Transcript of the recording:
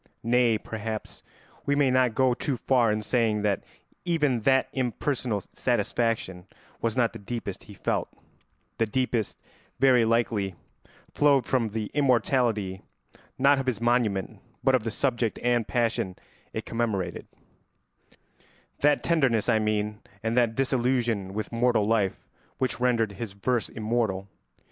Nay, perhaps we may not go too far in saying that even that impersonal satisfaction was not the deepest he felt; the deepest, very likely, flowed from the immortality, not of his monument, but of the subject and passion it commemorated; that tenderness, I mean, and that disillusion with mortal life which rendered his verse immortal.